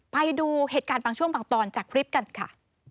ไปดูเหตุการณ์บางช่วงบางตอนจากคลิปกันค่ะ